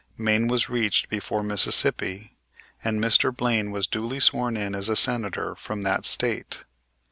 Maine was reached before Mississippi, and Mr. Blaine was duly sworn in as a Senator from that State.